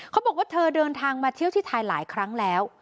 บอกว่าเธอเดินทางมาเที่ยวที่ไทยหลายครั้งแล้ว